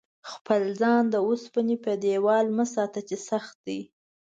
خپل ځان د اوسپنې په دېوال مه ساته چې سخت دی.